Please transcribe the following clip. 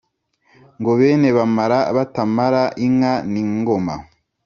ngo bene bamara batamara inka n’ingoma